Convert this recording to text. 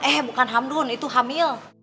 eh bukan hamdun itu hamil